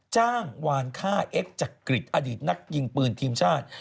จ้างวานค่าเอ็กซจักริตอดีตนักยิงปืนทีมชาติ